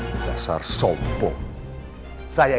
dan ini tidak akan kumpulkan riri